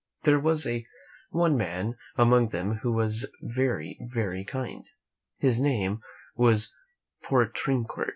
There was one man among them who was very, very kind. His name was Poutrincourt.